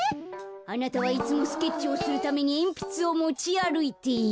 あなたはいつもスケッチをするためにえんぴつをもちあるいている。